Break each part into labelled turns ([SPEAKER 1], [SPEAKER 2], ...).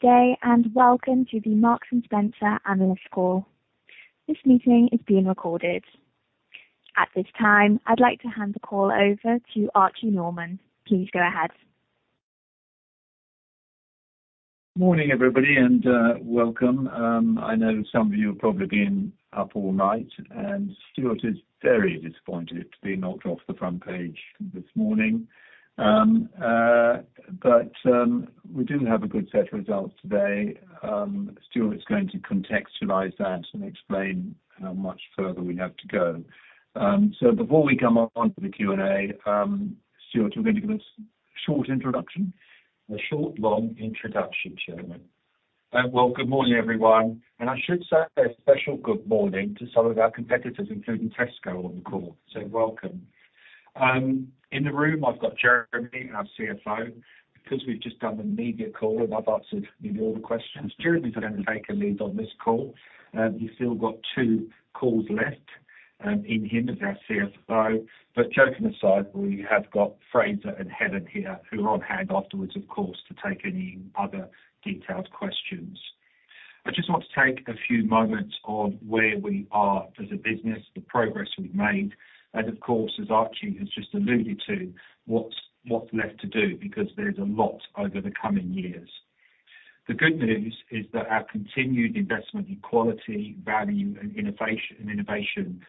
[SPEAKER 1] Good day, and welcome to the Marks & Spencer Analyst Call. This meeting is being recorded. At this time, I'd like to hand the call over to Archie Norman. Please go ahead.
[SPEAKER 2] Morning, everybody, and welcome. I know some of you have probably been up all night, and Stuart is very disappointed to be knocked off the front page this morning. But we do have a good set of results today. Stuart's going to contextualize that and explain how much further we have to go. So before we come on to the Q&A, Stuart, you're going to give us a short introduction. A short, long introduction, Jeremy.
[SPEAKER 3] Well, good morning, everyone, and I should say a special good morning to some of our competitors, including Tesco on the call. So welcome. In the room, I've got Jeremy, our CFO, because we've just done the media call and I've answered nearly all the questions, Jeremy's going to take a lead on this call. He's still got two calls left in him as our CFO. But joking aside, we have got Fraser and Helen here, who are on hand afterwards, of course, to take any other detailed questions. I just want to take a few moments on where we are as a business, the progress we've made, and, of course, as Archie has just alluded to, what's left to do because there's a lot over the coming years. The good news is that our continued investment in quality, value, and innovation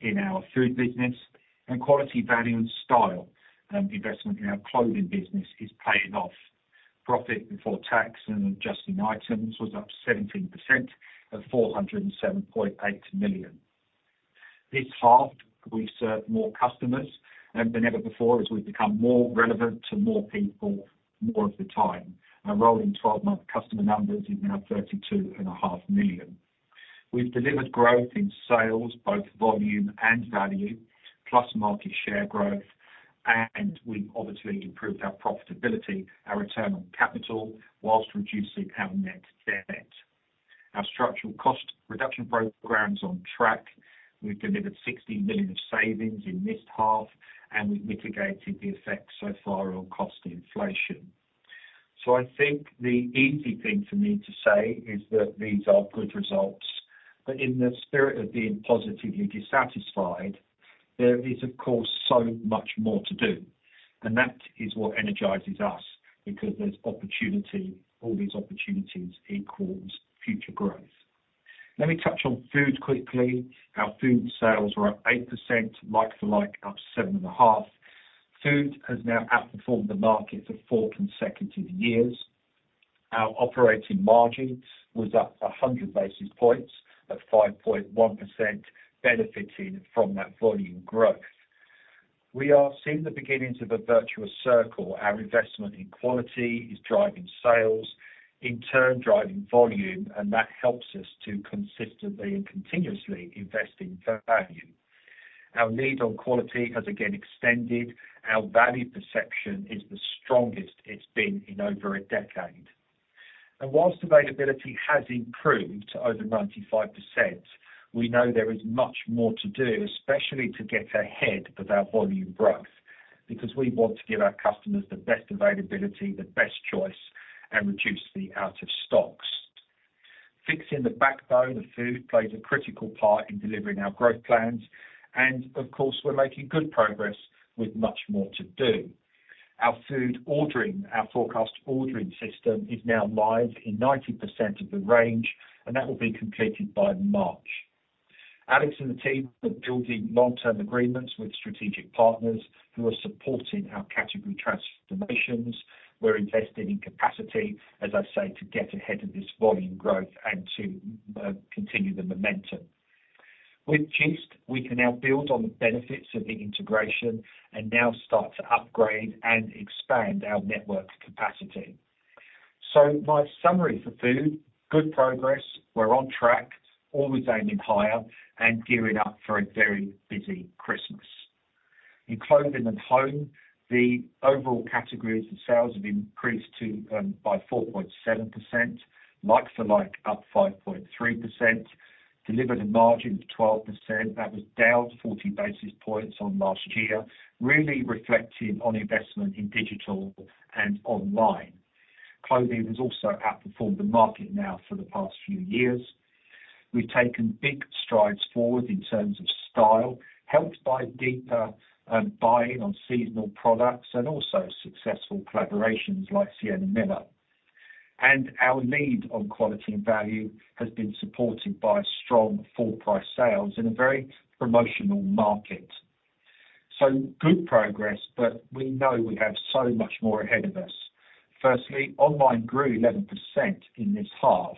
[SPEAKER 3] in our food business, and quality, value, and style investment in our clothing business is paying off. Profit before tax and adjusting items was up 17% at 407.8 million. This halved. We've served more customers than ever before as we've become more relevant to more people more of the time. Our rolling 12-month customer numbers is now 32.5 million. We've delivered growth in sales, both volume and value, plus market share growth, and we've obviously improved our profitability, our return on capital, while reducing our net debt. Our structural cost reduction program's on track. We've delivered 16 million of savings in this half, and we've mitigated the effects so far on cost inflation. So I think the easy thing for me to say is that these are good results. But in the spirit of being positively dissatisfied, there is, of course, so much more to do and that is what energizes us because there's opportunity. All these opportunities equal future growth. Let me touch on food quickly. Our food sales were up 8%, like-for-like, up 7.5%. Food has now outperformed the market for four consecutive years. Our operating margins was up 100 basis points at 5.1%, benefiting from that volume growth. We are seeing the beginnings of a virtuous circle. Our investment in quality is driving sales, in turn driving volume, and that helps us to consistently and continuously invest in value. Our lead on quality has again extended. Our value perception is the strongest it's been in over a decade. Whilst availability has improved to over 95%, we know there is much more to do, especially to get ahead of our volume growth, because we want to give our customers the best availability, the best choice, and reduce the out-of-stocks. Fixing the backbone of food plays a critical part in delivering our growth plans. Of course, we're making good progress with much more to do. Our forecast ordering system is now live in 90% of the range, and that will be completed by March. Alex and the team are building long-term agreements with strategic partners who are supporting our category transformations. We're investing in capacity, as I say, to get ahead of this volume growth and to continue the momentum. With Gist, we can now build on the benefits of the integration and now start to upgrade and expand our network capacity. So my summary for food: good progress, we're on track, always aiming higher, and gearing up for a very busy Christmas. In clothing and home, the overall categories of sales have increased by 4.7%, like-for-like up 5.3%, delivered a margin of 12%. That was down 40 basis points on last year, really reflecting on investment in digital and online. Clothing has also outperformed the market now for the past few years. We've taken big strides forward in terms of style, helped by deeper buying on seasonal products and also successful collaborations like Sienna Miller and our lead on quality and value has been supported by strong full-price sales in a very promotional market. So good progress, but we know we have so much more ahead of us. Firstly, online grew 11% in this half,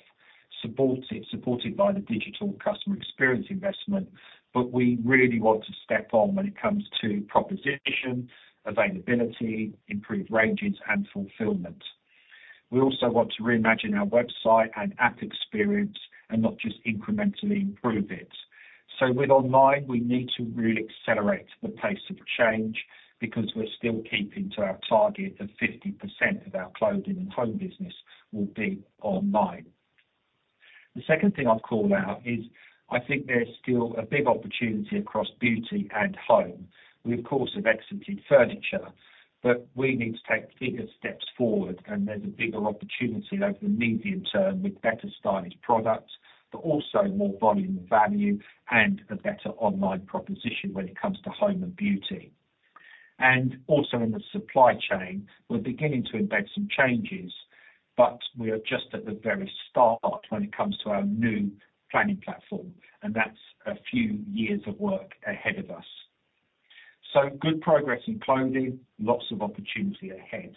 [SPEAKER 3] supported by the digital customer experience investment, but we really want to step on when it comes to proposition, availability, improved ranges, and fulfilment. We also want to reimagine our website and app experience and not just incrementally improve it. So with online, we need to really accelerate the pace of change because we're still keeping to our target of 50% of our clothing and home business will be online. The second thing I'd call out is I think there's still a big opportunity across beauty and home. We, of course, have exited furniture, but we need to take bigger steps forward, and there's a bigger opportunity over the medium term with better styled products, but also more volume and value and a better online proposition when it comes to home and beauty. Also in the supply chain, we're beginning to embed some changes, but we are just at the very start when it comes to our new planning platform, and that's a few years of work ahead of us. Good progress in clothing, lots of opportunity ahead.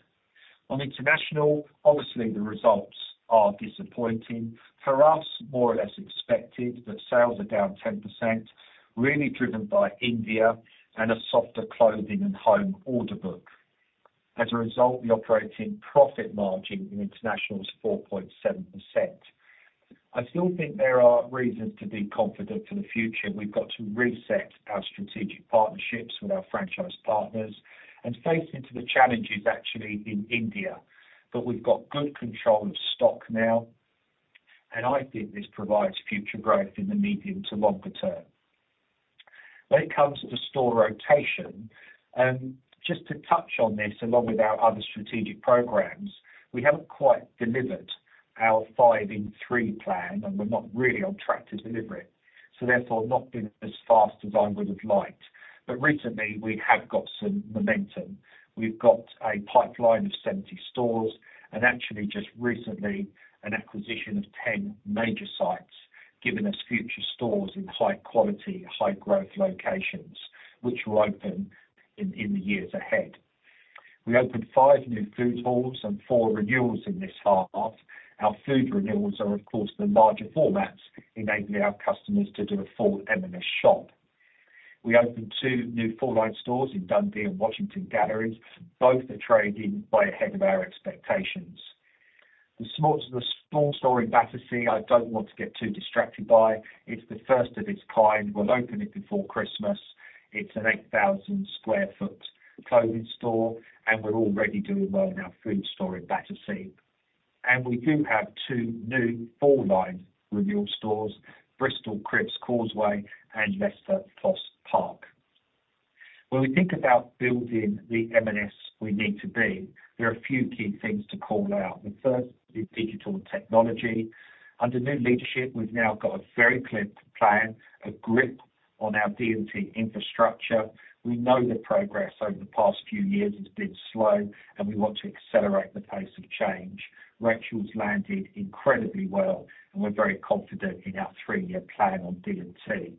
[SPEAKER 3] On international, obviously, the results are disappointing. For us, more or less expected, but sales are down 10%, really driven by India and a softer clothing and home order book. As a result, the operating profit margin in international is 4.7%. I still think there are reasons to be confident for the future. We've got to reset our strategic partnerships with our franchise partners and face into the challenges actually in India. But we've got good control of stock now, and I think this provides future growth in the medium to longer term. When it comes to store rotation, just to touch on this, along with our other strategic programs, we haven't quite delivered our Five-in-three plan, and we're not really on track to deliver it. So therefore, not been as fast as I would have liked. But recently, we have got some momentum. We've got a pipeline of 70 stores and actually just recently an acquisition of 10 major sites, giving us future stores in high-quality, high-growth locations, which will open in the years ahead. We opened five new food halls and four renewals in this half. Our food renewals are, of course, the larger formats, enabling our customers to do a full M&S shop. We opened two new full-line stores in Dundee and Washington Galleries. Both are trading way ahead of our expectations. The small store in Battersea, I don't want to get too distracted by, is the first of its kind. We'll open it before Christmas. It's an 8,000 sq ft clothing store, and we're already doing well in our food store in Battersea. We do have two new full-line renewal stores: Bristol Cribbs Causeway and Leicester Fosse Park. When we think about building the M&S we need to be, there are a few key things to call out. The first is digital technology. Under new leadership, we've now got a very clear plan, a grip on our D&T infrastructure. We know the progress over the past few years has been slow, and we want to accelerate the pace of change. Rachel's landed incredibly well, and we're very confident in our three-year plan on D&T.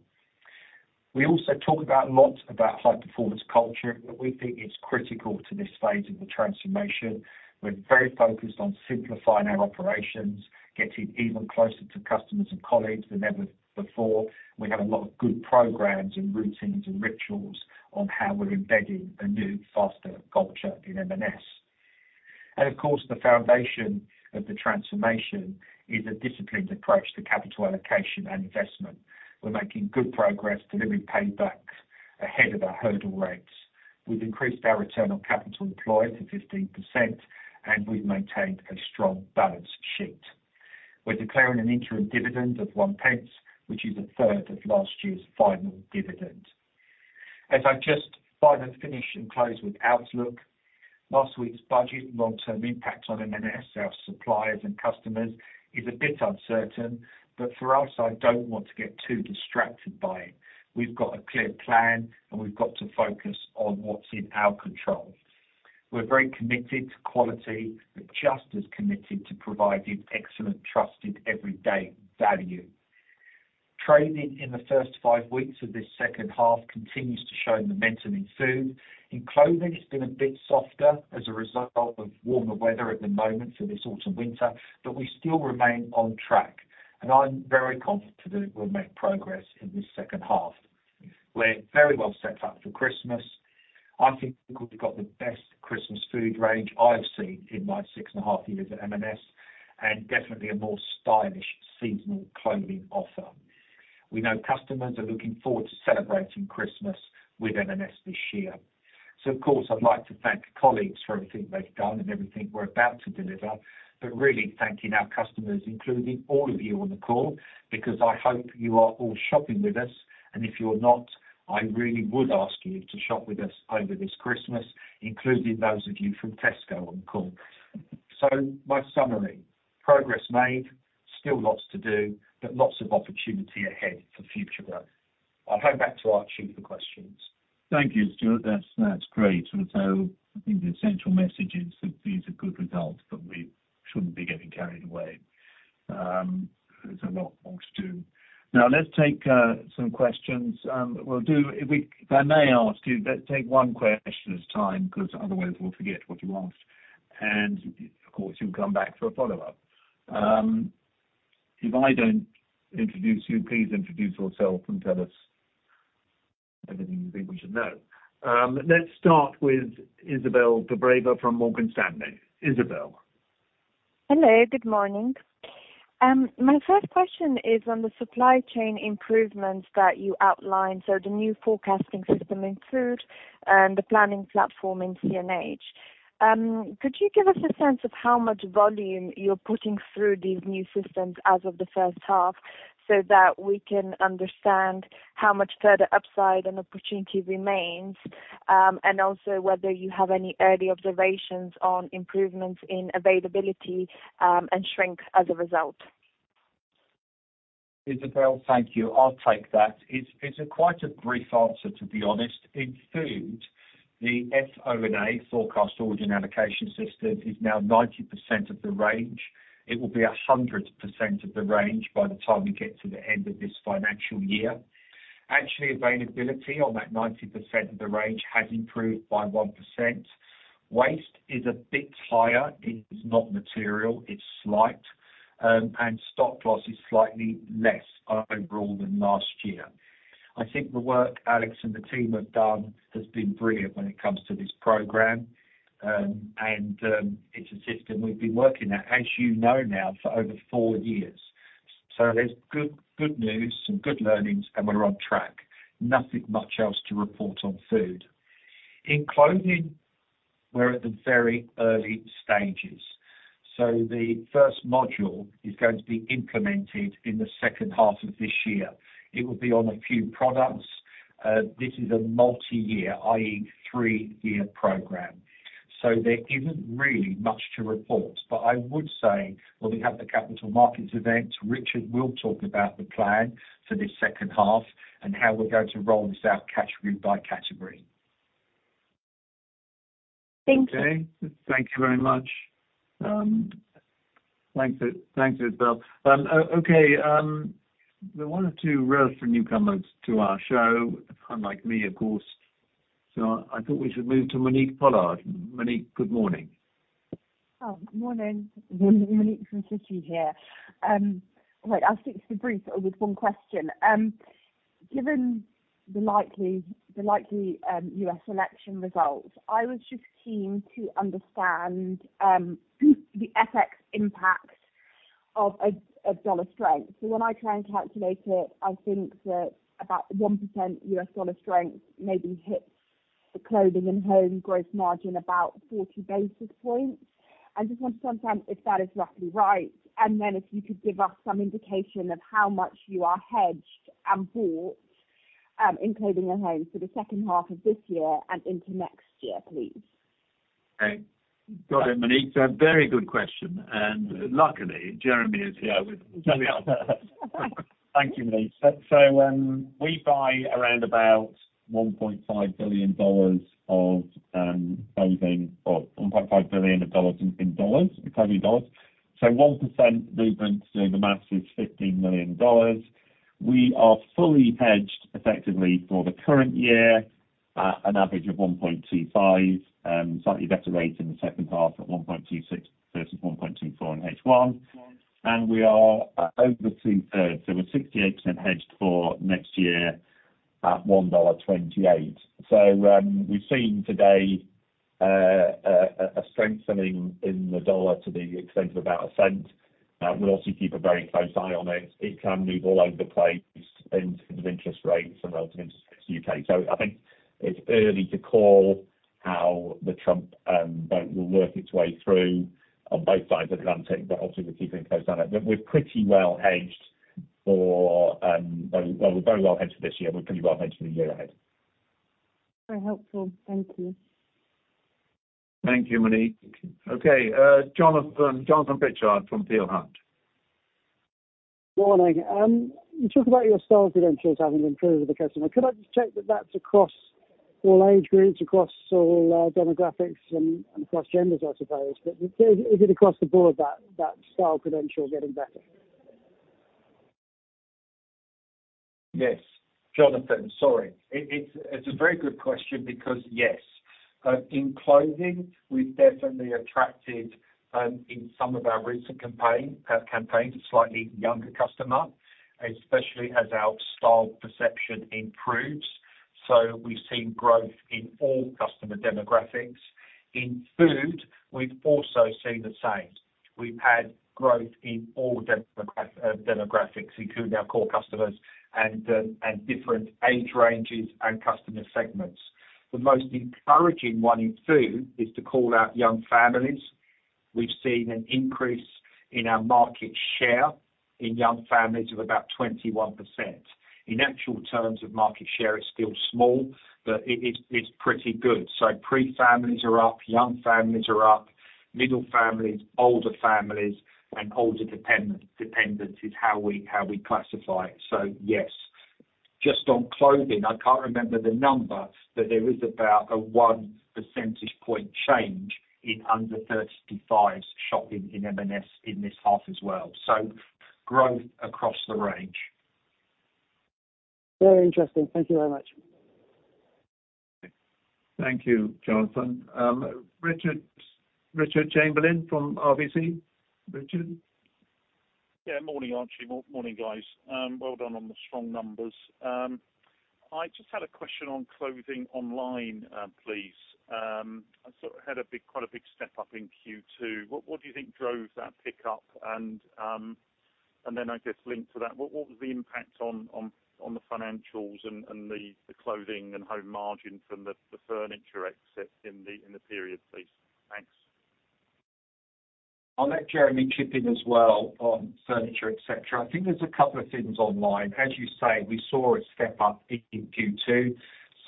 [SPEAKER 3] We also talk a lot about high-performance culture, but we think it's critical to this phase of the transformation. We're very focused on simplifying our operations, getting even closer to customers and colleagues than ever before. We have a lot of good programs and routines and rituals on how we're embedding a new, faster culture in M&S. Of course, the foundation of the transformation is a disciplined approach to capital allocation and investment. We're making good progress, delivering paybacks ahead of our hurdle rates. We've increased our return on capital employed to 15%, and we've maintained a strong balance sheet. We're declaring an interim dividend of 1.0p, which is a third of last year's final dividend. As I just finally finish and close with outlook, last week's budget and long-term impact on M&S, our suppliers and customers, is a bit uncertain, but for us, I don't want to get too distracted by it. We've got a clear plan, and we've got to focus on what's in our control. We're very committed to quality, but just as committed to providing excellent, trusted everyday value. Trading in the first five weeks of this second half continues to show momentum in food. In clothing, it's been a bit softer as a result of warmer weather at the moment for this autumn-winter, but we still remain on track, and I'm very confident we'll make progress in this second half. We're very well set up for Christmas. I think we've got the best Christmas food range I've seen in my six and a half years at M&S, and definitely a more stylish seasonal clothing offer. We know customers are looking forward to celebrating Christmas with M&S this year. So, of course, I'd like to thank colleagues for everything they've done and everything we're about to deliver, but really thanking our customers, including all of you on the call, because I hope you are all shopping with us and if you're not, I really would ask you to shop with us over this Christmas, including those of you from Tesco on the call. So my summary: progress made, still lots to do, but lots of opportunity ahead for future growth. I'll hand back to Archie for questions.
[SPEAKER 2] Thank you, Stuart. That's great, and so I think the essential message is that these are good results, but we shouldn't be getting carried away. There's a lot more to do. Now, let's take some questions. If I may ask you, let's take one question at a time because otherwise we'll forget what you asked and of course, you'll come back for a follow-up. If I don't introduce you, please introduce yourself and tell us everything you think we should know. Let's start with Izabel Dobreva from Morgan Stanley. Isabel.
[SPEAKER 4] Hello. Good morning. My first question is on the supply chain improvements that you outlined, so the new forecasting system in food and the planning platform in C&H. Could you give us a sense of how much volume you're putting through these new systems as of the first half so that we can understand how much further upside and opportunity remains, and also whether you have any early observations on improvements in availability and shrink as a result?
[SPEAKER 3] Isabel, thank you. I'll take that. It's quite a brief answer, to be honest. In food, the FOA forecast ordering allocation system is now 90% of the range. It will be 100% of the range by the time we get to the end of this financial year. Actually, availability on that 90% of the range has improved by 1%. Waste is a bit higher. It's not material. It's slight. Stock loss is slightly less overall than last year. I think the work Alex and the team have done has been brilliant when it comes to this program and it's a system we've been working at, as you know now, for over four years. So there's good news and good learnings, and we're on track. Nothing much else to report on food. In clothing, we're at the very early stages. The first module is going to be implemented in the second half of this year. It will be on a few products. This is a multi-year, i.e., three-year program. So there isn't really much to report, but I would say when we have the Capital Markets Event, Richard will talk about the plan for this second half and how we're going to roll this out category by category.
[SPEAKER 4] Thank you.
[SPEAKER 2] Okay. Thank you very much. Thanks, Izabel. Okay. There were one or two rares for newcomers to our show, unlike me, of course. So I thought we should move to Monique Pollard. Monique, good morning.
[SPEAKER 5] Morning. Monique from Citi here. Right. I'll stick to the brief with one question. Given the likely U.S. election result, I was just keen to understand the FX impact of a dollar strength. So when I try and calculate it, I think that about 1% U.S. dollar strength maybe hits the clothing and home growth margin about 40 basis points. I just want to understand if that is roughly right, and then if you could give us some indication of how much you are hedged and bought in clothing and home for the second half of this year and into next year, please.
[SPEAKER 3] Okay. Got it, Monique. Very good question. Luckily, Jeremy is here with me. Thank you, Monique. So we buy around about $1.5 billion of clothing or $1.5 billion in dollars, in clothing dollars. So 1% movement through the math is $15 million. We are fully hedged, effectively, for the current year, an average of 1.25, slightly better rate in the second half at 1.26 versus 1.24 in H1. We are over 2/3. So we're 68% hedged for next year at $1.28. So we've seen today a strengthening in the dollar to the extent of about a cent. We'll obviously keep a very close eye on it. It can move all over the place in terms of interest rates and relative interest rates in the U.K.. So I think it's early to call how the Trump vote will work its way through on both sides of the Atlantic, but obviously, we're keeping a close eye on it. But we're pretty well hedged for, well, we're very well hedged for this year, and we're pretty well hedged for the year ahead.
[SPEAKER 5] Very helpful. Thank you.
[SPEAKER 2] Thank you, Monique. Okay. Jonathan Pritchard from Peel Hunt.
[SPEAKER 6] Morning. You talk about your style credentials having improved with the customer. Could I just check that that's across all age groups, across all demographics, and across genders, I suppose? But is it across the board, that style credential getting better?
[SPEAKER 3] Yes. Jonathan, sorry. It's a very good question because yes. In clothing, we've definitely attracted in some of our recent campaigns a slightly younger customer, especially as our style perception improves. So we've seen growth in all customer demographics. In food, we've also seen the same. We've had growth in all demographics, including our core customers and different age ranges and customer segments. The most encouraging one in food is to call out young families. We've seen an increase in our market share in young families of about 21%. In actual terms of market share, it's still small, but it's pretty good. So pre-families are up, young families are up, middle families, older families, and older dependents is how we classify it. So yes. Just on clothing, I can't remember the number, but there is about a one percentage point change in under-35s shopping in M&S in this half as well, so growth across the range.
[SPEAKER 6] Very interesting. Thank you very much.
[SPEAKER 2] Thank you, Jonathan. Richard Chamberlain from RBC. Richard?
[SPEAKER 7] Yeah. Morning, Archie. Morning, guys. Well done on the strong numbers. I just had a question on clothing online, please. I sort of had quite a big step up in Q2. What do you think drove that pickup? Then, I guess, linked to that, what was the impact on the financials and the clothing and home margin from the furniture exit in the period, please? Thanks.
[SPEAKER 3] I'll let Jeremy chip in as well on furniture, etc. I think there's a couple of things online. As you say, we saw a step up in Q2.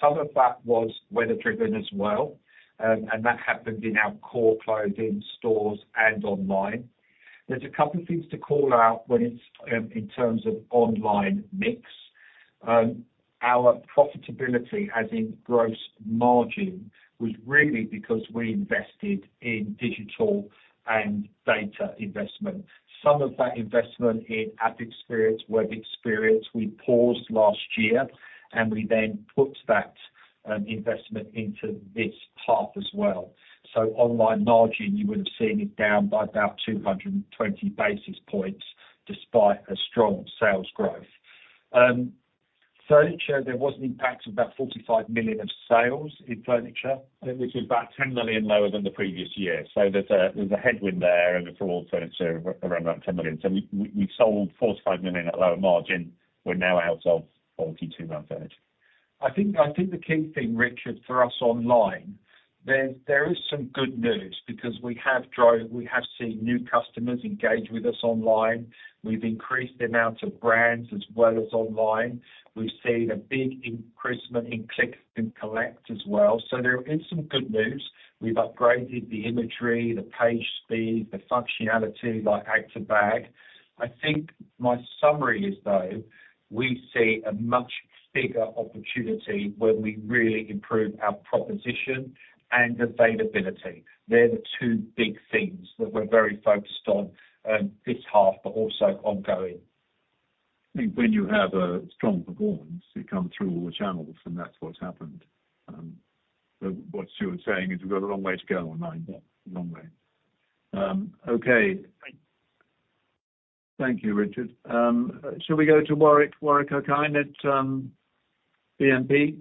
[SPEAKER 3] Some of that was weather-driven as well. That happened in our core clothing stores and online. There's a couple of things to call out when it's in terms of online mix. Our profitability, as in gross margin, was really because we invested in digital and data investment. Some of that investment in app experience, web experience, we paused last year, and we then put that investment into this half as well. So online margin, you would have seen is down by about 220 basis points despite a strong sales growth. Furniture, there was an impact of about 45 million of sales in furniture, which was about 10 million lower than the previous year. So there's a headwind there, and for all furniture, around about 10 million. So we sold 45 million at lower margin. We're now out of 42 million furniture. I think the key thing, Richard, for us online, there is some good news because we have seen new customers engage with us online. We've increased the amount of brands as well as online. We've seen a big increase in Click and Collect as well. So there is some good news. We've upgraded the imagery, the page speed, the functionality like add-to-bag. I think my summary is, though, we see a much bigger opportunity when we really improve our proposition and availability. They're the two big things that we're very focused on this half, but also ongoing.
[SPEAKER 8] I think when you have a strong performance, it comes through all the channels, and that's what's happened. But what Stuart's saying is we've got a long way to go online. A long way.
[SPEAKER 2] Okay. Thank you, Richard. Shall we go to Warwick, Warwick Okines at BNP?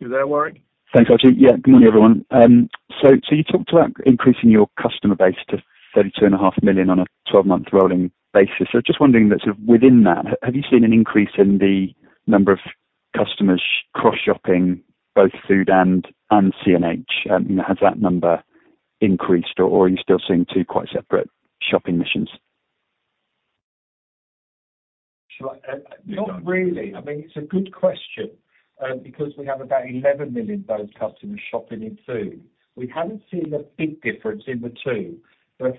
[SPEAKER 2] You there, Warwick?
[SPEAKER 9] Thanks, Archie. Yeah. Good morning, everyone. So you talked about increasing your customer base to 32.5 million on a 12-month rolling basis. So just wondering that sort of within that, have you seen an increase in the number of customers cross-shopping both food and C&H? Has that number increased, or are you still seeing two quite separate shopping missions?
[SPEAKER 3] Not really. I mean, it's a good question because we have about 11 million both customers shopping in food. We haven't seen a big difference in the two. But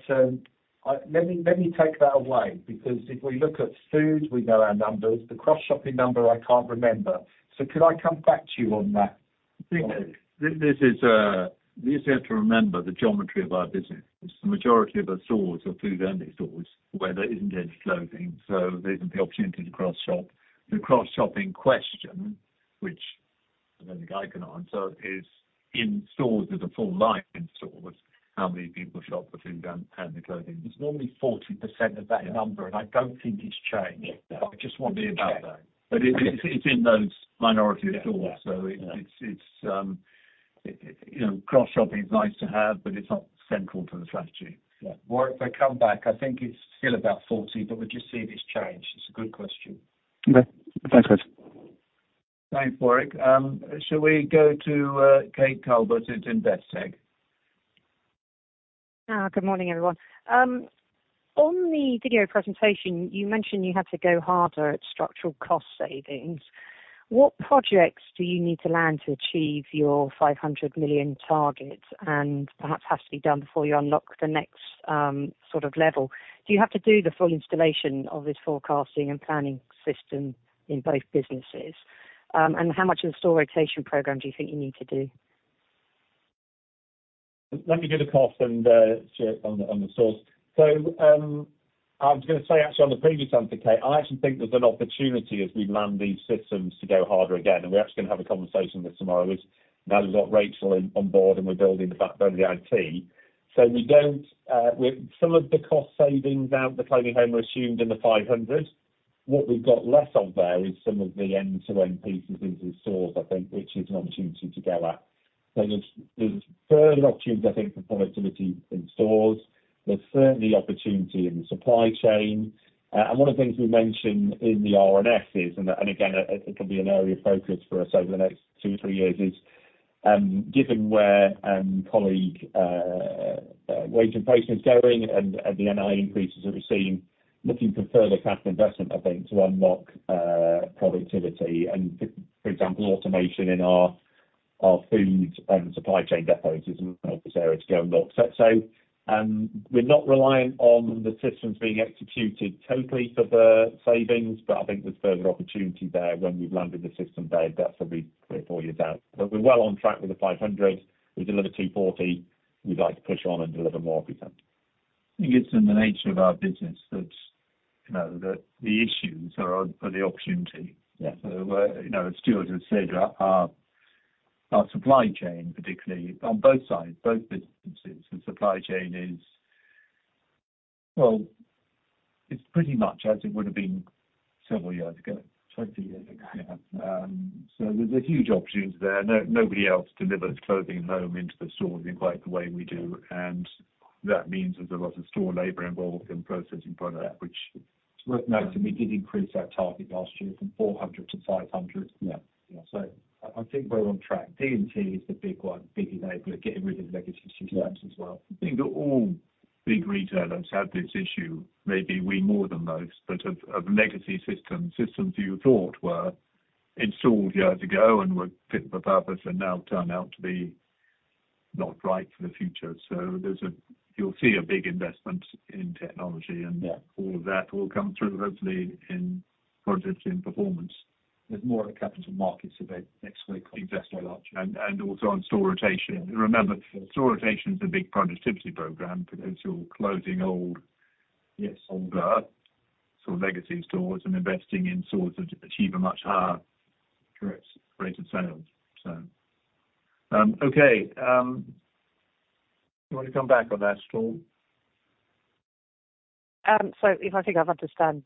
[SPEAKER 3] let me take that away because if we look at food, we know our numbers. The cross-shopping number, I can't remember. So could I come back to you on that?
[SPEAKER 8] This is hard to remember, the geometry of our business. The majority of the stores are food-only stores where there isn't any clothing. So there isn't the opportunity to cross-shop. The cross-shopping question, which I don't think I can answer, is in stores that are full-line stores, how many people shop for food and clothing?
[SPEAKER 3] It's normally 40% of that number, and I don't think it's changed. I just want to be about that. But it's in those minority stores. So cross-shopping is nice to have, but it's not central to the strategy.
[SPEAKER 8] Yeah. Warwick, I'll come back. I think it's still about 40, but we're just seeing it's changed. It's a good question.
[SPEAKER 9] Okay. Thanks, guys.
[SPEAKER 2] Thanks, Warwick. Shall we go to Kate Calvert at Investec?
[SPEAKER 10] Good morning, everyone. On the video presentation, you mentioned you had to go harder at structural cost savings. What projects do you need to land to achieve your 500 million target and perhaps have to be done before you unlock the next sort of level? Do you have to do the full installation of this forecasting and planning system in both businesses and how much of the store rotation program do you think you need to do?
[SPEAKER 3] Let me give a quick check on the source. I was going to say, actually, on the previous answer, Kate, I actually think there's an opportunity as we land these systems to go harder again. We're actually going to have a conversation with the team tomorrow now that we've got Rachel on board and we're building the backbone of the IT. Some of the cost savings out of the Clothing & Home are assumed in the 500. What we've got less of there is some of the end-to-end pieces into the stores, I think, which is an opportunity to go at. There's further opportunity, I think, for productivity in stores. There's certainly opportunity in the supply chain. One of the things we mentioned in the RNS is, and again, it'll be an area of focus for us over the next two or three years, is given where colleague wage and cost is going and the NI increases that we've seen, looking for further capital investment, I think, to unlock productivity. For example, automation in our food supply chain depots is an obvious area to go and look. We're not reliant on the systems being executed totally for the savings, but I think there's further opportunity there when we've landed the system there. That's probably three or four years out. We're well on track with the 500. We deliver 240. We'd like to push on and deliver more, if we can.
[SPEAKER 8] I think it's in the nature of our business that the issues are for the opportunity. So as Stuart has said, our supply chain, particularly on both sides, both businesses, the supply chain is, well, it's pretty much as it would have been several years ago, 20 years ago. So there's a huge opportunity there. Nobody else delivers clothing and home into the store in quite the way we do and that means there's a lot of store labor involved in processing product, which is worth noting. We did increase our target last year from 400-500. So I think we're on track. D&T is the big one, big enabler, getting rid of legacy systems as well. I think that all big retailers had this issue, maybe we more than most, but of legacy systems, systems you thought were installed years ago and were fit for purpose are now turned out to be not right for the future. So you'll see a big investment in technology, and all of that will come through, hopefully, in productivity and performance. There's more of a Capital Markets Event next week.
[SPEAKER 3] Exactly.
[SPEAKER 8] Also on store rotation. Remember, store rotation is a big productivity program for closing older, so legacy stores and investing in stores that achieve a much higher rate of sales, so. Okay. Do you want to come back on that, Stuart?
[SPEAKER 10] So, if I think I've understood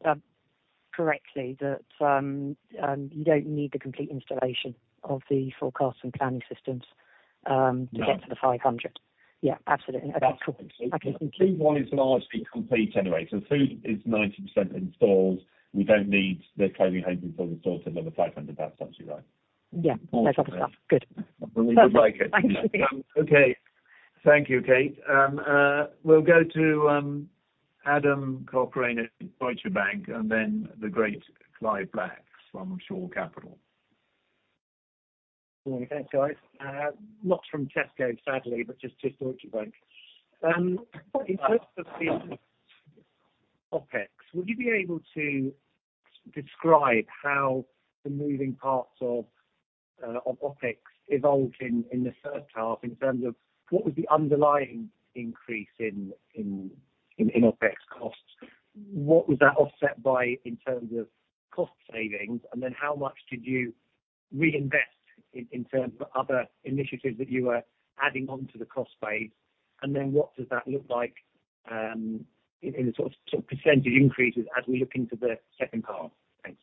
[SPEAKER 10] correctly that you don't need the complete installation of the forecast and planning systems to get to the 500? Yeah. Absolutely. Okay. Cool. I can conclude.
[SPEAKER 8] The food one is largely complete anyway. So the food is 90% in stores. We don't need the clothing home in store to deliver 500. That's actually right.
[SPEAKER 10] Yeah. No problem at all. Good.
[SPEAKER 8] We would like it.
[SPEAKER 2] Okay. Thank you, Kate. We'll go to Adam Cochrane at Deutsche Bank and then the great Clive Black from Shore Capital.
[SPEAKER 11] Thanks, guys. Not from Tesco, sadly, but just to Deutsche Bank. In terms of the OpEx, would you be able to describe how the moving parts of OpEx evolved in the first half in terms of what was the underlying increase in OpEx costs? What was that offset by in terms of cost savings and then how much did you reinvest in terms of other initiatives that you were adding on to the cost base? Then what does that look like in the sort of percentage increases as we look into the second half? Thanks.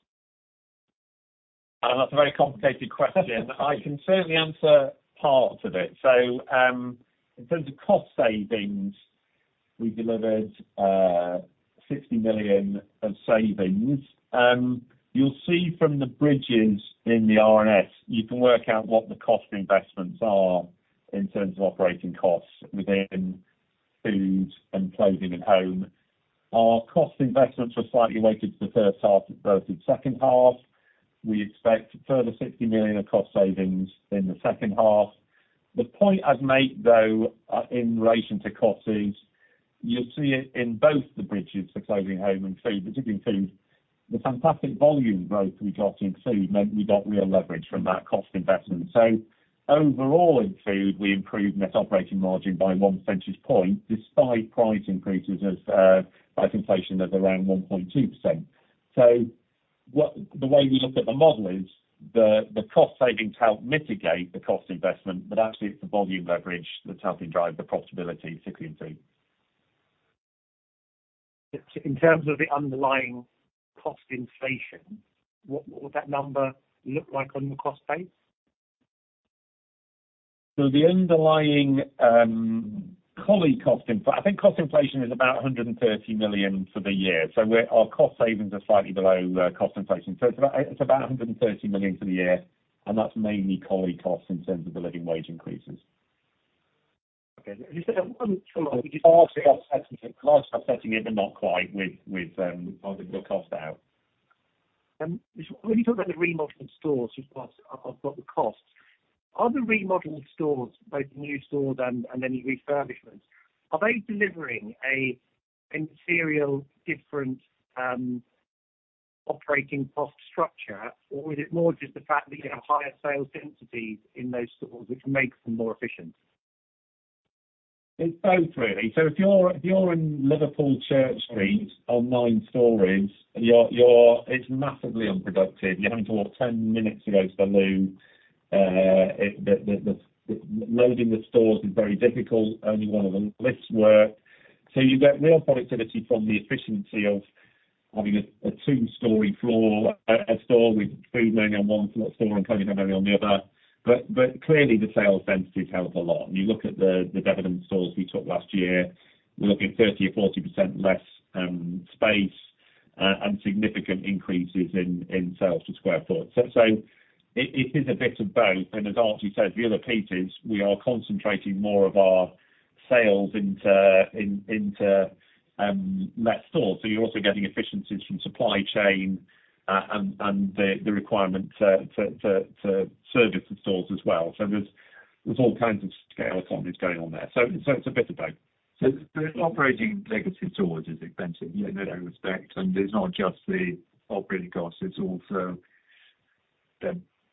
[SPEAKER 3] That's a very complicated question. I can certainly answer part of it. So in terms of cost savings, we delivered 60 million of savings. You'll see from the bridges in the RNS, you can work out what the cost investments are in terms of operating costs within food and clothing and home. Our cost investments were slightly weighted to the first half relative to the second half. We expect further 60 million of cost savings in the second half. The point I've made, though, in relation to cost is you'll see it in both the bridges, the clothing home and food, particularly in food. The fantastic volume growth we got in food meant we got real leverage from that cost investment. So overall in food, we improved net operating margin by one percentage point despite price increases by inflation of around 1.2%. So the way we look at the model is the cost savings help mitigate the cost investment, but actually it's the volume leverage that's helping drive the profitability, particularly in food.
[SPEAKER 11] In terms of the underlying cost inflation, what would that number look like on the cost base?
[SPEAKER 8] The underlying cost of living cost inflation, I think, cost inflation is about 130 million for the year. Our cost savings are slightly below cost inflation. It's about 130 million for the year and that's mainly cost of living costs in terms of the living wage increases.
[SPEAKER 11] Okay. You said at one time we just.
[SPEAKER 8] Partially offsetting it, but not quite with the cost out.
[SPEAKER 11] When you talk about the remodeled stores, which are part of the costs, both new stores and any refurbishments, are they delivering a materially different operating cost structure, or is it more just the fact that you have higher sales densities in those stores which makes them more efficient?
[SPEAKER 8] It's both, really. So if you're in Liverpool Church Street on nine stores, it's massively unproductive. You're having to walk 10 minutes to go to the loo. Loading the stores is very difficult. Only one of the lifts works. So you get real productivity from the efficiency of having a two-story floor store with food mainly on one store and clothing home only on the other. But clearly, the sales densities help a lot. You look at the Devon stores we took last year. We're looking at 30% or 40% less space and significant increases in sales per sq ft. So it is a bit of both, and as Archie said, the other piece is we are concentrating more of our sales into less stores. So you're also getting efficiencies from supply chain and the requirement to service the stores as well. So there's all kinds of scale economies going on there. So it's a bit of both.
[SPEAKER 11] So operating negative stores is expensive in that respect and it's not just the operating costs. It's also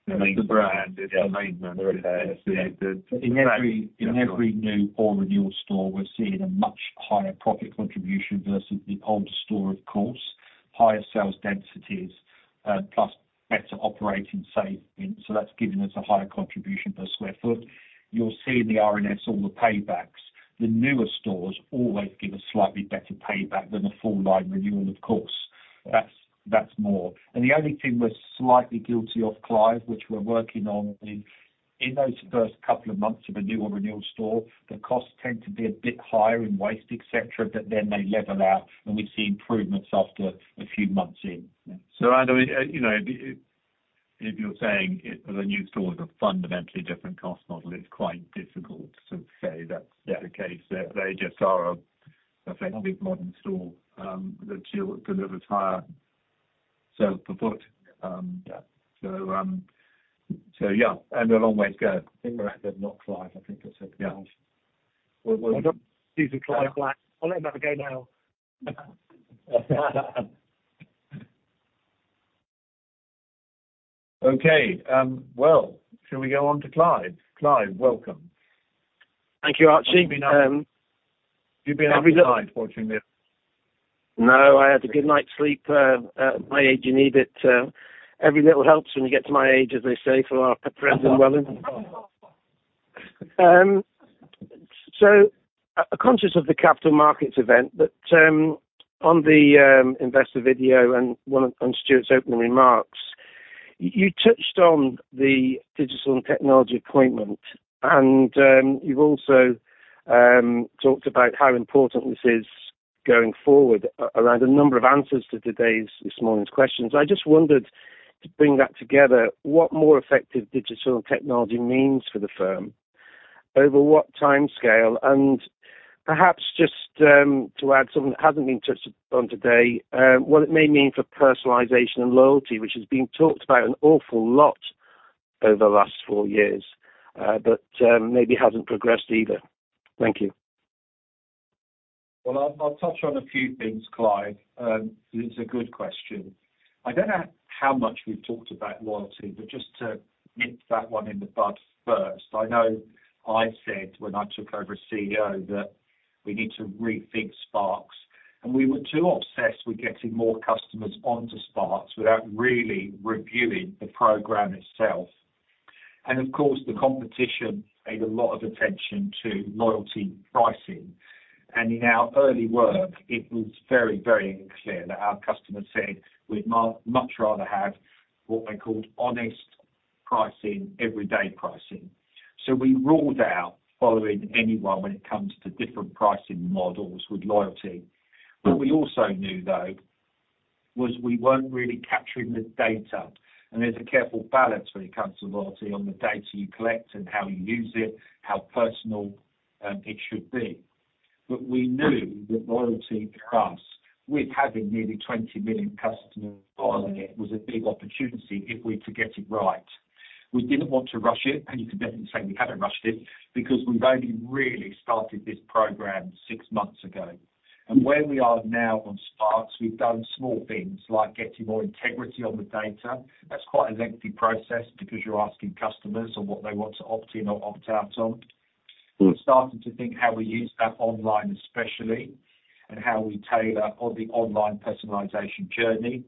[SPEAKER 11] the main brand. It's the main vendor.
[SPEAKER 8] In every new or renewal store, we're seeing a much higher profit contribution versus the older store, of course. Higher sales densities plus better operating savings. So that's giving us a higher contribution per square foot. You'll see in the RNS all the paybacks. The newer stores always give a slightly better payback than a full-time renewal, of course. That's more, and the only thing we're slightly guilty of, Clive, which we're working on is in those first couple of months of a new or renewal store, the costs tend to be a bit higher in waste, etc., but then they level out and we see improvements after a few months in.
[SPEAKER 3] So, Adam, if you're saying the new stores are fundamentally different cost model, it's quite difficult to say that's the case. They just are a flexible modern store that delivers higher sales per foot. So yeah. A long way to go. I think we're ahead of not Clive. I think that's a good one.
[SPEAKER 12] This is Clive Black. I'll let him have a go now.
[SPEAKER 2] Okay. Shall we go on to Clive? Clive, welcome.
[SPEAKER 12] Thank you, Archie.
[SPEAKER 2] You've been on the side watching this.
[SPEAKER 12] No, I had a good night's sleep. At my age, you need it. Every little helps when you get to my age, as they say, for our friends at Tesco. So conscious of the Capital Markets Event, but on the investor video and Stuart's opening remarks, you touched on the digital and technology appointment. You've also talked about how important this is going forward around a number of answers to today's this morning's questions. I just wondered, to bring that together, what more effective digital and technology means for the firm over what timescale? Perhaps just to add something that hasn't been touched upon today, what it may mean for personalization and loyalty, which has been talked about an awful lot over the last four years, but maybe hasn't progressed either. Thank you.
[SPEAKER 8] I'll touch on a few things, Clive. It's a good question. I don't know how much we've talked about loyalty, but just to nip that one in the bud first. I know I said when I took over as CEO that we need to rethink Sparks and we were too obsessed with getting more customers onto Sparks without really reviewing the program itself. Of course, the competition paid a lot of attention to loyalty pricing and in our early work, it was very, very clear that our customers said, "We'd much rather have what they called honest pricing, everyday pricing." So we ruled out following anyone when it comes to different pricing models with loyalty. What we also knew, though, was we weren't really capturing the data. There's a careful balance when it comes to loyalty on the data you collect and how you use it, how personal it should be. We knew that loyalty for us, with having nearly 20 million customers filing it, was a big opportunity if we were to get it right. We didn't want to rush it. You can definitely say we haven't rushed it because we've only really started this program six months ago. Where we are now on Sparks, we've done small things like getting more integrity on the data. That's quite a lengthy process because you're asking customers on what they want to opt in or opt out on. We're starting to think how we use that online especially and how we tailor on the online personalization journey.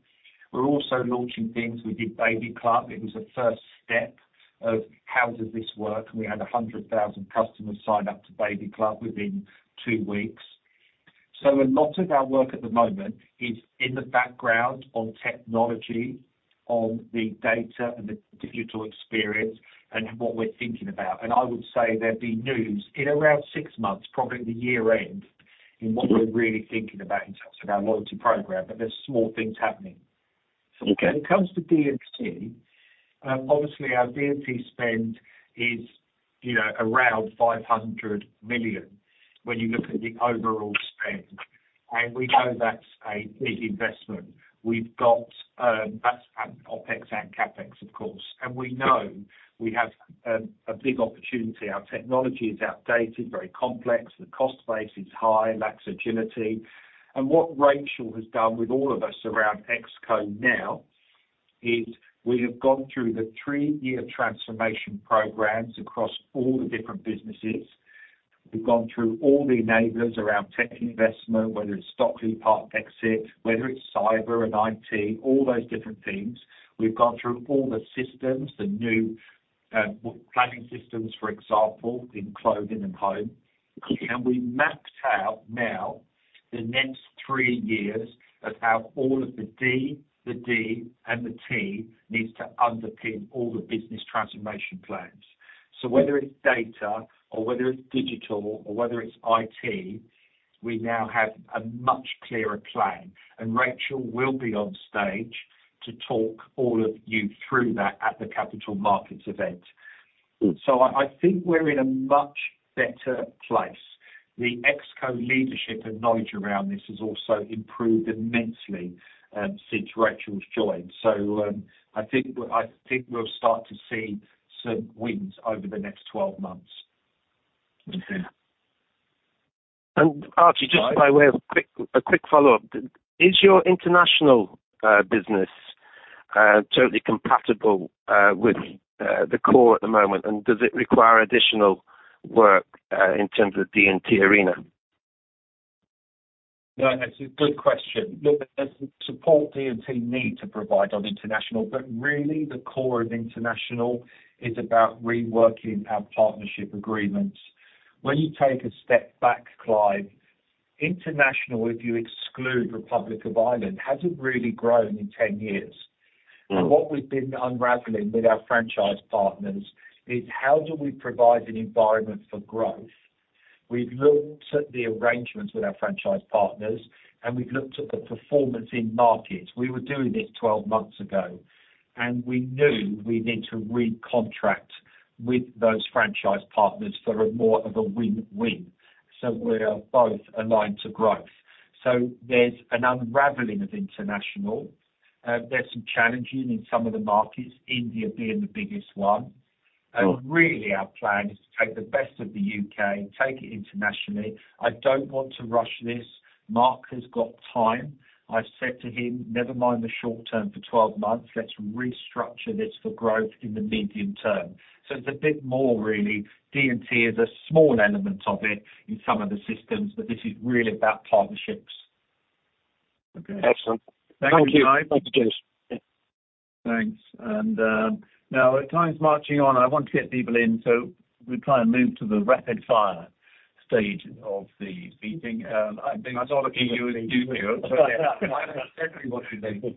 [SPEAKER 8] We're also launching things. We did Baby Club. It was a first step of how does this work and we had 100,000 customers sign up to Baby Club within two weeks. So a lot of our work at the moment is in the background on technology, on the data and the digital experience and what we're thinking about, and I would say there'll be news in around six months, probably at the year-end, in what we're really thinking about in terms of our loyalty program. But there's small things happening. When it comes to D&T, obviously, our D&T spend is around 500 million when you look at the overall spend and we know that's a big investment. We've got, that's OpEx and CapEx, of course and we know we have a big opportunity. Our technology is outdated, very complex. The cost base is high, lacks agility. What Rachel has done with all of us around ExCo now is we have gone through the three-year transformation programs across all the different businesses. We've gone through all the enablers around tech investment, whether it's Stockley Park exit, whether it's cyber and IT, all those different things. We've gone through all the systems, the new planning systems, for example, in clothing and home. We've mapped out now the next three years of how all of the D and the T needs to underpin all the business transformation plans. Whether it's data or whether it's digital or whether it's IT, we now have a much clearer plan. Rachel will be on stage to talk all of you through that at the Capital Markets Event. I think we're in a much better place. The ExCo leadership and knowledge around this has also improved immensely since Rachel's joined. So I think we'll start to see some wins over the next 12 months.
[SPEAKER 12] Archie, just by way of a quick follow-up, is your international business totally compatible with the core at the moment and does it require additional work in terms of the D&T arena?
[SPEAKER 8] No, that's a good question. Look, there's support D&T need to provide on international, but really the core of international is about reworking our partnership agreements. When you take a step back, Clive, international, if you exclude Republic of Ireland, hasn't really grown in 10 years, and what we've been unraveling with our franchise partners is how do we provide an environment for growth. We've looked at the arrangements with our franchise partners, and we've looked at the performance in markets. We were doing this 12 months ago, and we knew we need to recontract with those franchise partners for more of a win-win, so we're both aligned to growth, so there's an unraveling of international. There's some challenging in some of the markets, India being the biggest one, and really, our plan is to take the best of the U.K., take it internationally. I don't want to rush this. Mark has got time. I've said to him, "Never mind the short term for 12 months. Let's restructure this for growth in the medium term." So it's a bit more really. D&T is a small element of it in some of the systems, but this is really about partnerships.
[SPEAKER 12] Excellent. Thank you. Thank you, Jeremy.
[SPEAKER 2] Thanks. Now, time's marching on. I want to get people in. So we'll try and move to the rapid-fire stage of the meeting. I'm not looking at you as YouTube. So yeah, everybody's in.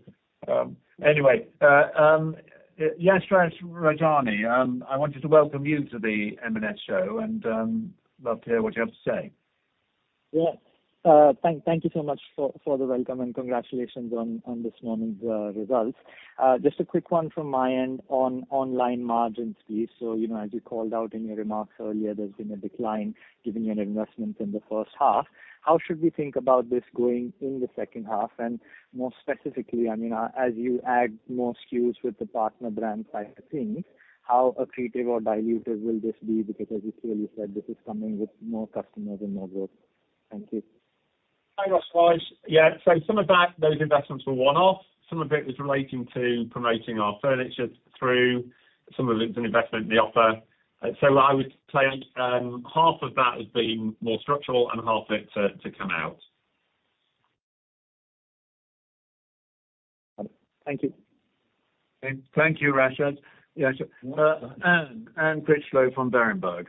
[SPEAKER 2] Anyway, Yashraj Rajani, I wanted to welcome you to the M&S show and love to hear what you have to say.
[SPEAKER 13] Yeah. Thank you so much for the welcome and congratulations on this morning's results. Just a quick one from my end on online margins, please. So as you called out in your remarks earlier, there's been a decline given your investments in the first half. How should we think about this going in the second half and more specifically, I mean, as you add more SKUs with the partner brand side of things, how accretive or dilutive will this be because as you clearly said, this is coming with more customers and more growth? Thank you.
[SPEAKER 8] Hi, Yashraj. Yeah. So some of that, those investments were one-off. Some of it was relating to promoting our furniture through. Some of it was an investment in the offer. So I would say half of that has been more structural and half of it to come out.
[SPEAKER 13] Thank you.
[SPEAKER 2] Thank you, Yashraj. Critchlow from Berenberg.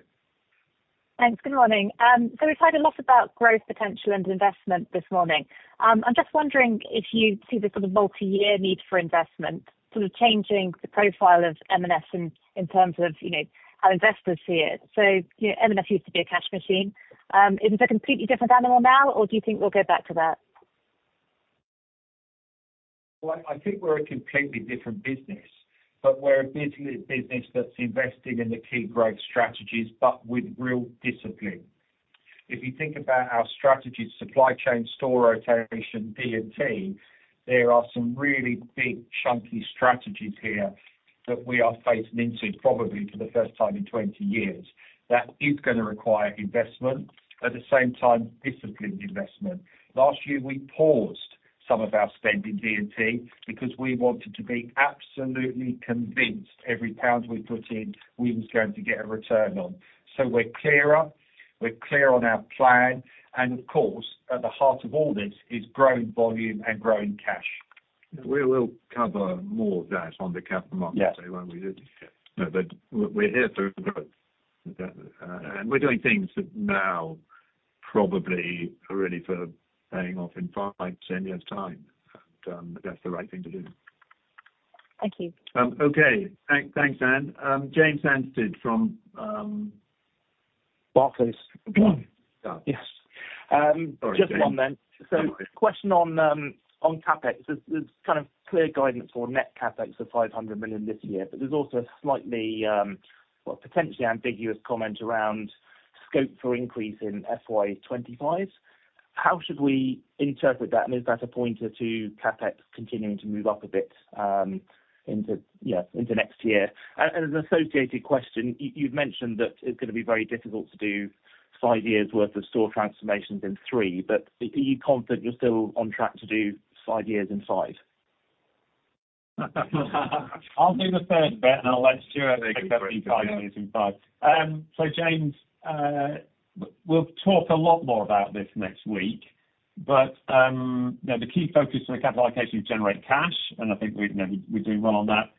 [SPEAKER 14] Thanks. Good morning. So we've heard a lot about growth potential and investment this morning. I'm just wondering if you see the sort of multi-year need for investment, sort of changing the profile of M&S in terms of how investors see it. So M&S used to be a cash machine. Is it a completely different animal now, or do you think we'll get back to that?
[SPEAKER 8] I think we're a completely different business, but we're a business that's investing in the key growth strategies but with real discipline. If you think about our strategies, supply chain, store rotation, D&T, there are some really big chunky strategies here that we are facing into probably for the first time in 20 years that is going to require investment. At the same time, disciplined investment. Last year, we paused some of our spend in D&T because we wanted to be absolutely convinced every pound we put in, we were going to get a return on. So we're clearer. We're clear on our plan and of course, at the heart of all this is growing volume and growing cash. We will cover more of that on the capital markets day, won't we? No, but wae're here for growth. We're doing things that now probably are really for paying off in five, 10 years' time. That's the right thing to do.
[SPEAKER 14] Thank you.
[SPEAKER 2] Okay. Thanks, Anne. James Anstead from Barclays.
[SPEAKER 15] Yes. Just one then. So question on CapEx. There's kind of clear guidance for net CapEx of 500 million this year, but there's also a slightly, well, potentially ambiguous comment around scope for increase in FY25. How should we interpret that? As that a pointer to CapEx continuing to move up a bit into next year? As an associated question, you've mentioned that it's going to be very difficult to do five years' worth of store transformations in three. But are you confident you're still on track to do five years in five?
[SPEAKER 8] I'll do the first bit, and I'll let Stuart pick up the five years in five. So, James, we'll talk a lot more about this next week, but the key focus for the capital allocation is generate cash and I think we're doing well on that.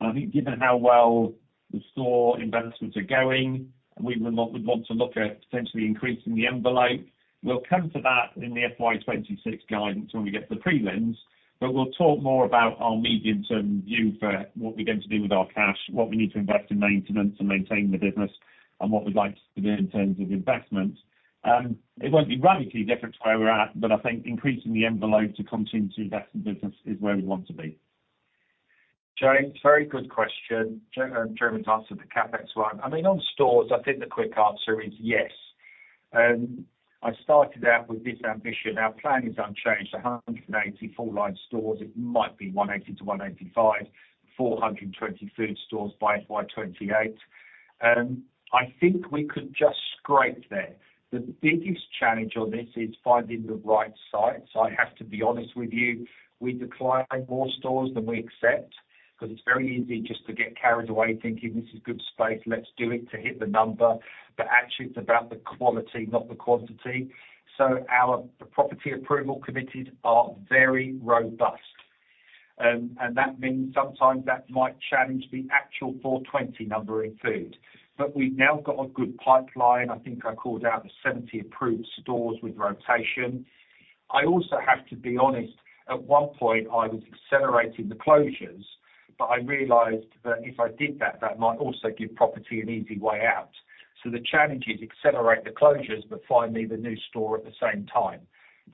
[SPEAKER 8] I think, given how well the store investments are going, we would want to look at potentially increasing the envelope. We'll come to that in the FY26 guidance when we get to the prelims. But we'll talk more about our medium-term view for what we're going to do with our cash, what we need to invest in maintenance and maintain the business, and what we'd like to do in terms of investment. It won't be radically different to where we're at, but I think increasing the envelope to contingency investment business is where we want to be.
[SPEAKER 3] James, very good question. Jeremy's answered the CapEx one. I mean, on stores, I think the quick answer is yes. I started out with this ambition. Our plan is unchanged. 180 full-line stores. It might be 180-185, 420 food stores by FY28. I think we could just scrape there. The biggest challenge on this is finding the right sites. I have to be honest with you. We declined more stores than we accept because it's very easy just to get carried away thinking, "This is good space. Let's do it to hit the number." But actually, it's about the quality, not the quantity. So our property approval committees are very robust and that means sometimes that might challenge the actual 420 number in food. But we've now got a good pipeline. I think I called out the 70 approved stores with rotation. I also have to be honest. At one point, I was accelerating the closures, but I realized that if I did that, that might also give property an easy way out. So the challenge is accelerate the closures, but find me the new store at the same time.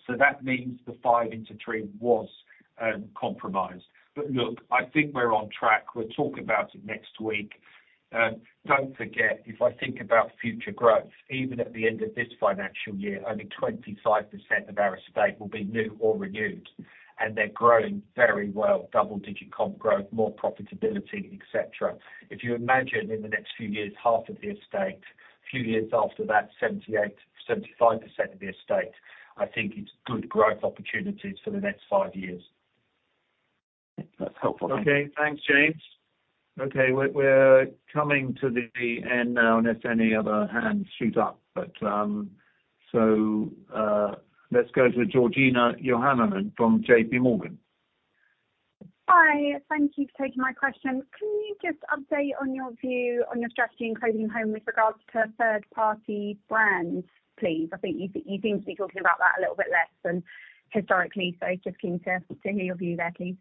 [SPEAKER 3] So that means the five into three was compromised. But look, I think we're on track. We'll talk about it next week. Don't forget, if I think about future growth, even at the end of this financial year, only 25% of our estate will be new or renewed and they're growing very well, double-digit comp growth, more profitability, etc. If you imagine in the next few years, half of the estate, a few years after that, 75%-78% of the estate, I think it's good growth opportunities for the next five years.
[SPEAKER 15] That's helpful.
[SPEAKER 2] Okay. Thanks, James. Okay. We're coming to the end now unless any other hands shoot up. So let's go to Georgina Johanan from J.P. Morgan.
[SPEAKER 16] Hi. Thank you for taking my question. Can you just update on your view on your strategy in clothing and home with regards to third-party brands, please? I think you seem to be talking about that a little bit less than historically. So just keen to hear your view there, please.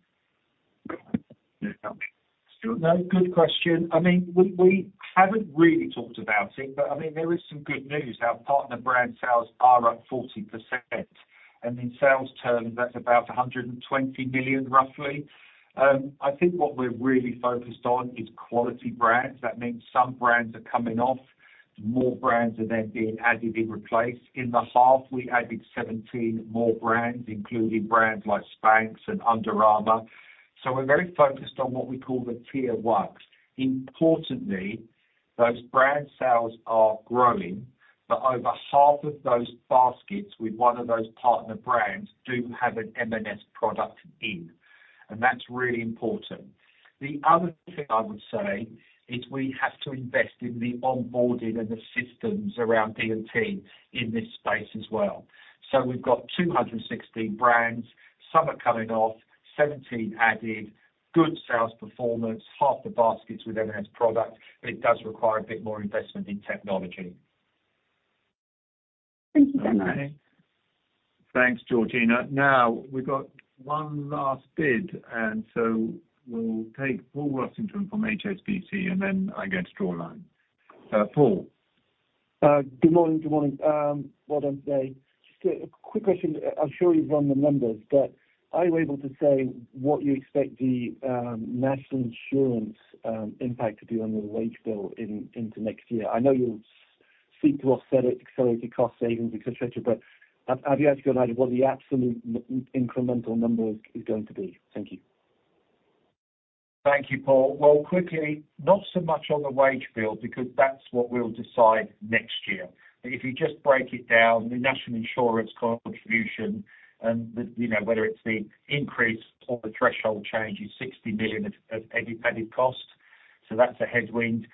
[SPEAKER 8] No, good question. I mean, we haven't really talked about it, but I mean, there is some good news. Our partner brand sales are up 40% and in sales terms, that's about 120 million, roughly. I think what we're really focused on is quality brands. That means some brands are coming off. More brands are then being added in replace. In the half, we added 17 more brands, including brands like Spanx and Under Armour. So we're very focused on what we call the tier one. Importantly, those brand sales are growing, but over half of those baskets with one of those partner brands do have an M&S product in and that's really important. The other thing I would say is we have to invest in the onboarding and the systems around D&T in this space as well. So we've got 216 brands. Some are coming off. 17 added. Good sales performance. Half the baskets with M&S product. It does require a bit more investment in technology.
[SPEAKER 16] Thank you so much.
[SPEAKER 2] Thanks, Georgina. Now, we've got one last bid, and so we'll take Paul Rossington from HSBC, and then I go to draw a line. Paul.
[SPEAKER 17] Good morning. Good morning. Well done today. Just a quick question. I'm sure you've run the numbers, but are you able to say what you expect the National Insurance impact to be on your wage bill into next year? I know you'll speak to accelerated cost savings, etc., but have you actually got an idea of what the absolute incremental number is going to be? Thank you.
[SPEAKER 8] Thank you, Paul. Well, quickly, not so much on the wage bill because that's what we'll decide next year, but if you just break it down, the National Insurance contribution, whether it's the increase or the threshold change, is 60 million of added cost. So that's a headwind.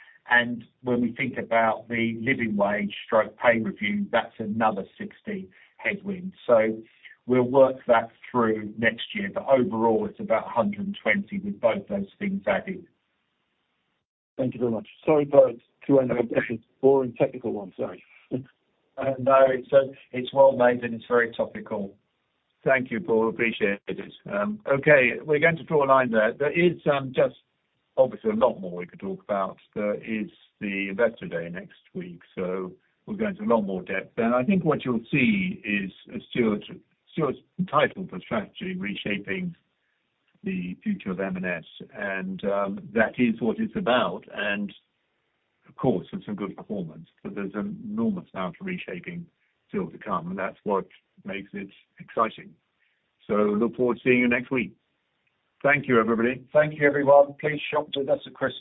[SPEAKER 8] When we think about the living wage stroke pay review, that's another 60 headwind. So we'll work that through next year, but overall, it's about 120 with both those things added.
[SPEAKER 17] Thank you very much. Sorry for two ending up questions. Boring technical one. Sorry.
[SPEAKER 8] No, it's well made, and it's very topical.
[SPEAKER 2] Thank you, Paul. Appreciate it. Okay. We're going to draw a line there. There is just obviously a lot more we could talk about. There is the investor day next week, so we're going to a lot more depth. I think what you'll see is Stuart's title for strategy, Reshaping the Future of M&S. That is what it's about. Of course, with some good performance, but there's an enormous amount of reshaping still to come. That's what makes it exciting. Look forward to seeing you next week. Thank you, everybody.
[SPEAKER 3] Thank you, everyone. Please shop with us at M&S.